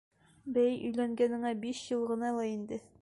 — Бәй, өйләнгәнеңә биш йыл ғына ла инде.